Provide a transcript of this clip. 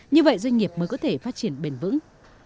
như vậy doanh nghiệp mới có thể phát triển bền vững